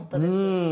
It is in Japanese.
うん。